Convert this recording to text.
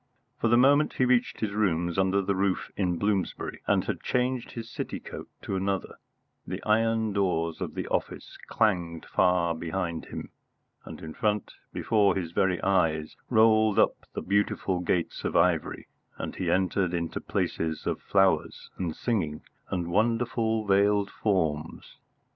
For the moment he reached his rooms under the roof in Bloomsbury, and had changed his city coat to another, the iron doors of the office clanged far behind him, and in front, before his very eyes, rolled up the beautiful gates of ivory, and he entered into the places of flowers and singing and wonderful veiled forms.